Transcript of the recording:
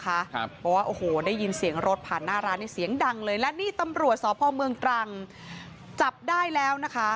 บอกว่าโอ้โหได้ยินเสียงรถผ่านหน้าร้านนี่เสียงดังเลยและนี่ตำรวจสพเมืองตรังจับได้แล้วนะคะ